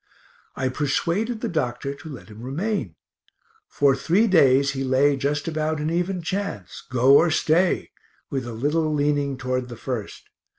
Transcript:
I persuaded the doctor to let him remain. For three days he lay just about an even chance, go or stay, with a little leaning toward the first.